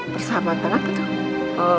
persyaratan apa tuh